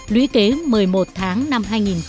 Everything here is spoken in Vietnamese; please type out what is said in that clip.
lý kế một mươi một tháng năm hai nghìn một mươi bảy